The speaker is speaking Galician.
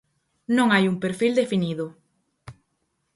Non hai un perfil definido.